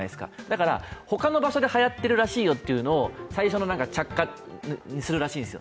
だから他の場所ではやっているらしいよというのを最初の着火にするらしいんですよ。